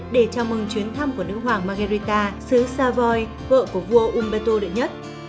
để chào mừng chuyến thăm của nữ hoàng margherita sứ savoy vợ của vua umberto i